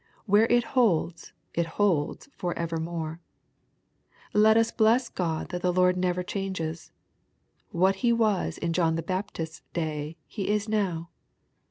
Where it holds it holds for evermore. Let us bless God that the Lord never changes. What He was in John the Baptist's day. He is now.